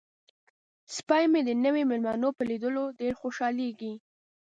سپی مې د نویو میلمنو په لیدو ډیر خوشحالیږي.